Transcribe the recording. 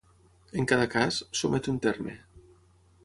En cada cas, s'omet un terme.